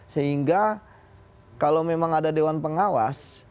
sehingga kalau memang ada dewan pengawas